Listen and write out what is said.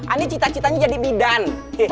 ini cita citanya jadi bidan